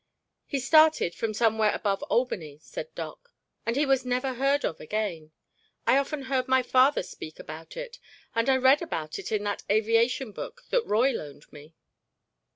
"He started from somewhere above Albany," said Doc, "and he was never heard of again. I often heard my father speak about it and I read about it in that aviation book that Roy loaned me."